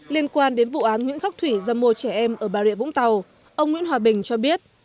liên quan đến vụ án nguyễn khắc thủy ra mua trẻ em ở bà rịa vũng tàu ông nguyễn hòa bình cho biết